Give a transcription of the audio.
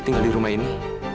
kembali rumah ini